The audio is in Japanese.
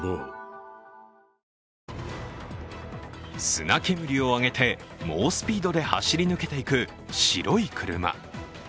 砂煙を上げて猛スピードで走り抜けていく白い車。